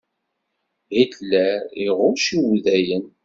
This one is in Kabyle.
Hitler iɣuc Udayen.